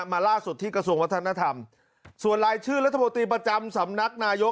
มาล่าสุดที่กระทรวงวัฒนธรรมส่วนรายชื่อรัฐมนตรีประจำสำนักนายก